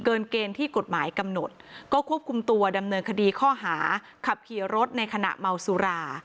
เกินเกณฑ์ที่กฎหมายกำหนดก็ควบคุมตัวดำเนินคดีข้อหา